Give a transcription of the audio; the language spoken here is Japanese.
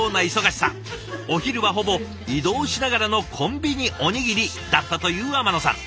お昼はほぼ移動しながらのコンビニおにぎりだったという天野さん。